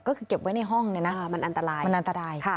ก็คือเก็บไว้ในห้องเนี่ยนะมันอันตรายมันอันตราย